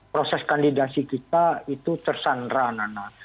proses kandidasi kita itu tersandra nana